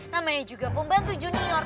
namanya juga pembantu junior